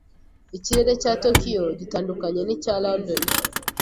Ikirere cya Tokiyo gitandukanye n'icya London.